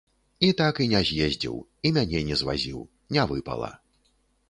І так і не з'ездзіў і мяне не звазіў, не выпала.